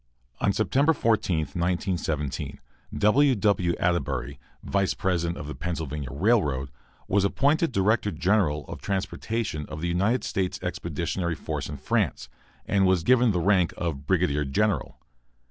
On September 14, 1917, W. W. Atterbury, vice president of the Pennsylvania Railroad, was appointed director general of transportation of the United States Expeditionary Force in France, and was given the rank of brigadier general.